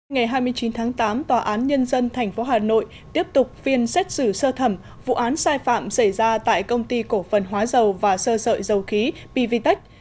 ngày hai mươi chín tháng tám tòa án nhân dân tp hà nội tiếp tục phiên xét xử sơ thẩm vụ án sai phạm xảy ra tại công ty cổ phần hóa dầu và sơ sợi dầu khí pvtec